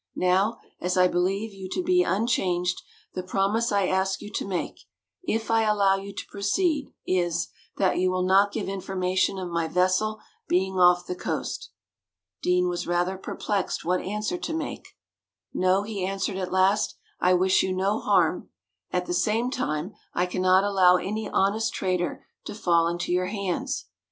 Now, as I believe you to be unchanged, the promise I ask you to make, if I allow you to proceed, is that you will not give information of my vessel being off the coast." Deane was rather perplexed what answer to make. "No," he answered at last; "I wish you no harm; at the same time, I cannot allow any honest trader to fall into your hands.